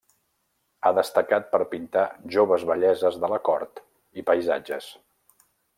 Ha destacat per pintar joves belleses de la cort i paisatges.